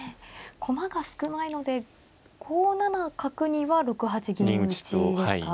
駒が少ないので５七角には６七銀打ですか。